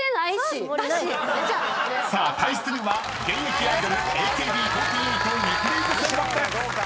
［さあ対するは現役アイドルＡＫＢ４８『ネプリーグ』選抜です！］